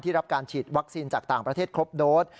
รับการฉีดวัคซีนจากต่างประเทศครบโดส